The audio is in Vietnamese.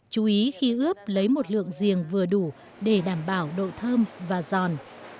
chú ý khi ướp lấy một lượng giềng vừa đủ để đảm bảo độ thơm và giòn